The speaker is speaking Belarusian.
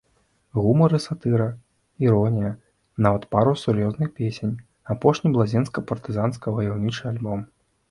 Гумар і сатыра, іронія, нават пара сур'ёзных песень, апошні блазенска-партызанска-ваяўнічы альбом.